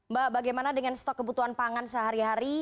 mbak bagaimana dengan stok kebutuhan pangan sehari hari